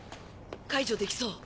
解除できそう？